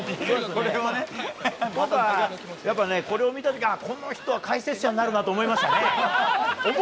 僕はやっぱ、これを見たとき、あっ、この人は解説者になるなと思いましたね。